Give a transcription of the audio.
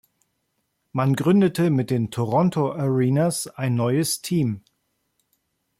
Man gründete mit den Toronto Arenas ein neues Team.